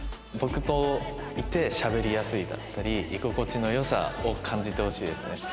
僕といてしゃべりやすいだったり居心地の良さを感じてほしいですね。